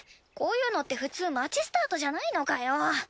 こういうのって普通街スタートじゃないのかよ？